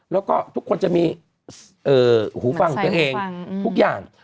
แล้วก็ทุกคนจะมีหูฟังของตัวเองทุกอย่าง